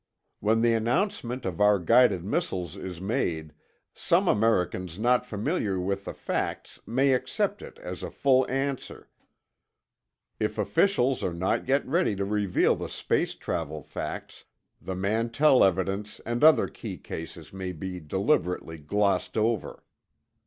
When the announcement of our guided missiles is made, some Americans not familiar with the facts may accept it as a full answer. If officials are not yet ready to reveal the space travel facts, the Mantell evidence and other key cases may be deliberately glossed over.